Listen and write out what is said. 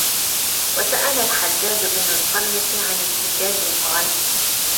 وَسَأَلَ الْحَجَّاجُ ابْنَ الْقَرْيَةِ عَنْ الْإِيجَازِ قَالَ